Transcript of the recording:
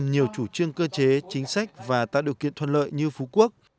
nhiều chủ trương cơ chế chính sách và tạo điều kiện thuận lợi như phú quốc